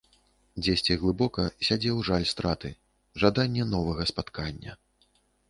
Дзесьці глыбока сядзеў жаль страты, жаданне новага спаткання.